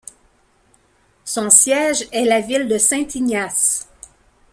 Son siège est la ville de Saint-Ignace.